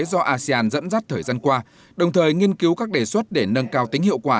do asean dẫn dắt thời gian qua đồng thời nghiên cứu các đề xuất để nâng cao tính hiệu quả